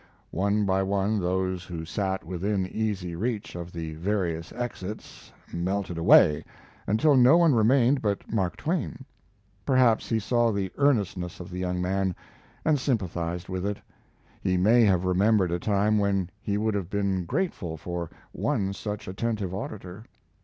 One by one those who sat within easy reach of the various exits melted away, until no one remained but Mark Twain. Perhaps he saw the earnestness of the young man, and sympathized with it. He may have remembered a time when he would have been grateful for one such attentive auditor.